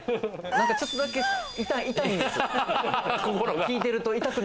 ちょっとだけ痛いんですよ。